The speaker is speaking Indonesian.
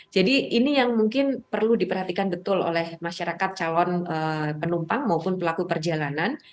ini yang mungkin perlu diperhatikan betul oleh masyarakat calon penumpang maupun pelaku perjalanan